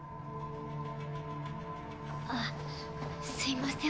あっすいません。